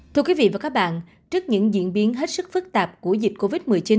thưa quý vị và các bạn trước những diễn biến hết sức phức tạp của dịch covid một mươi chín